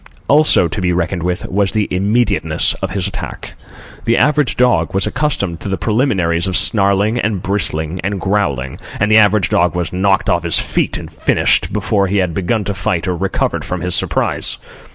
Also to be reckoned with, was the immediateness of his attack. The average dog was accustomed to the preliminaries of snarling and bristling and growling, and the average dog was knocked off his feet and finished before he had begun to fight or recovered from his surprise.